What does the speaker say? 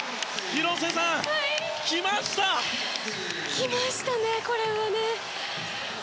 来ましたね、これはね。